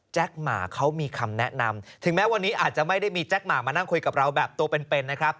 หมาเขามีคำแนะนำถึงแม้วันนี้อาจจะไม่ได้มีแจ๊คห่ามานั่งคุยกับเราแบบตัวเป็นนะครับ